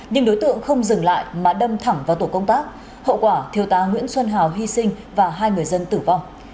nhưng đối tượng không dừng lại mà đâm thẳng vào tổ công tác hậu quả thiêu tá nguyễn xuân hào hy sinh và hai người dân tử vong